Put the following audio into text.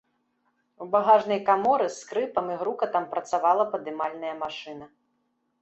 У багажнай каморы з скрыпам і грукатам працавала падымальная машына.